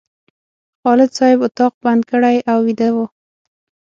خالد صاحب اتاق بند کړی او ویده و.